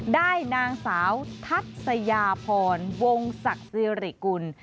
ได้นางสาวทัศยาพรวงศักดิ์สิริกุล